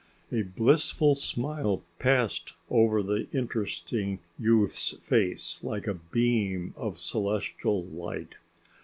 A blissful smile passed over the interesting youth's face like a beam of celestial light.